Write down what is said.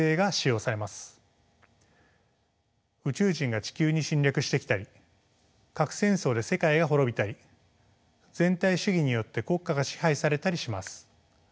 宇宙人が地球に侵略してきたり核戦争で世界が滅びたり全体主義によって国家が支配されたりします。